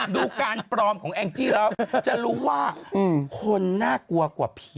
ดูการปลอมของแองจี้แล้วจะรู้ว่าคนน่ากลัวกว่าผี